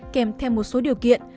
kèm thêm một số điều kiện